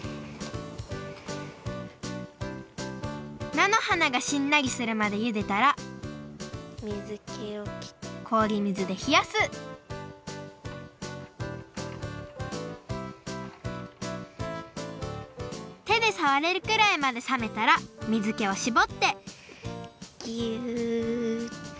菜の花がしんなりするまでゆでたらこおり水でひやすてでさわれるくらいまでさめたら水けをしぼってぎゅっ。